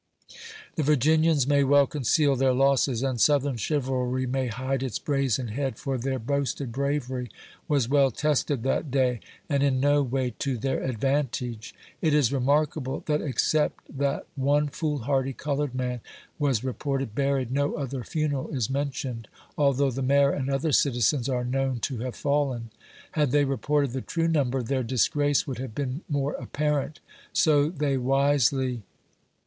The Virginians may well conceal their losses, and Southern chivalry may hide its brazen head, for their boasted bravery was well tested that day, and in no way to their advantage. It is remarkable, that except that one fool hardy colored man was reported buried, no other funeral is mentioned, although the Mayor and other citizens are known to have fallen. Had they reported the true number, their disgrace would have been more apparent ; so they wisely